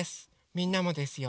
みんなもですよ。